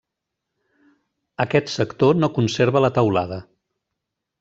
Aquest sector no conserva la teulada.